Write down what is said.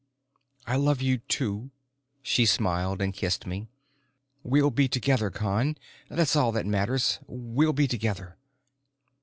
"I love you too," she smiled, and kissed me. "We'll be together, Con. That's all that matters. We'll be together."